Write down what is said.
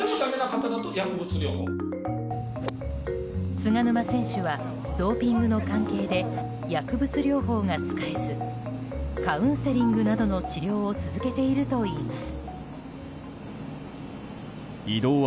菅沼選手はドーピングの関係で薬物療法が使えずカウンセリングなどの治療を続けているといいます。